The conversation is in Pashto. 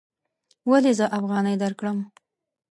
ولې زه افغانۍ درکړم؟